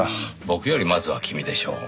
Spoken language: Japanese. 僕よりまずは君でしょう。